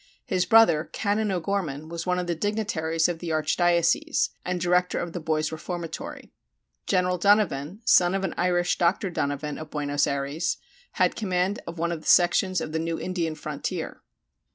His brother, Canon O'Gorman, was one of the dignitaries of the archdiocese, and director of the boys' reformatory. General Donovan, son of an Irish Dr. Donovan of Buenos Ayres, had command of one of the sections of the new Indian frontier.